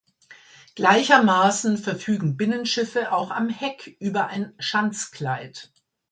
Gleichermaßen verfügen Binnenschiffe auch am Heck über ein Schanzkleid.